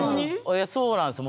いやそうなんですよ。